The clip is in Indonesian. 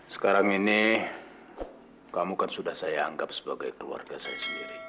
sekarang ini kamu kan sudah saya anggap sebagai keluarga saya sendiri